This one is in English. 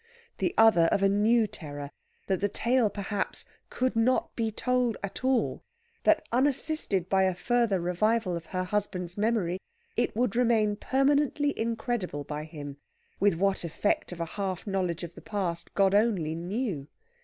The other of a new terror that the tale, perhaps, could not be told at all! that, unassisted by a further revival of her husband's memory, it would remain permanently incredible by him, with what effect of a half knowledge of the past God only knew.